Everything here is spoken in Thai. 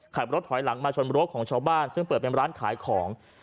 ขับรถถอยหลังมาชนรถของชาวบ้านซึ่งเปิดเป็นร้านขายของ